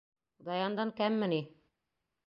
Даяндан кәмме ни?